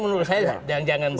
menurut saya jangan begitu